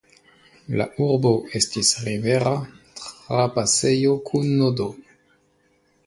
La urbo estis rivera trapasejo kun nodo.